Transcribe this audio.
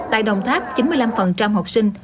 tại đồng tháp chín mươi năm học sinh